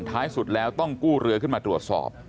ท้ายสุดแล้วต้องกู้เรือขึ้นมาตรวจสอบ